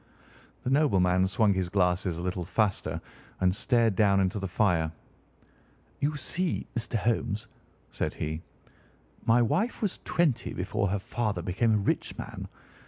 The nobleman swung his glasses a little faster and stared down into the fire. "You see, Mr. Holmes," said he, "my wife was twenty before her father became a rich man.